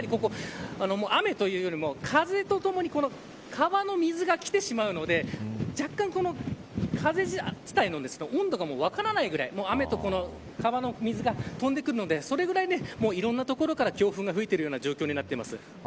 雨というよりも、風とともに川の水が来てしまうので風自体の温度が分からないくらい雨と川の水が飛んでくるのでそれくらい、いろいろな所から強風が吹いてくる状況です。